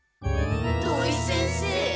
土井先生？